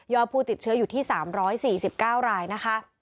ผู้ติดเชื้ออยู่ที่๓๔๙รายนะคะ